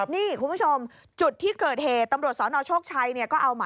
นี่คุณผู้ชมจุดที่เกิดเหตุ